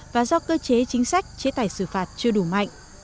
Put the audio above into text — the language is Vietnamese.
và do cơ chế chính sách chế tài xử phạt chưa đủ mạnh